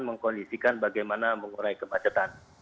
mengkoalisikan bagaimana mengurai kemacetan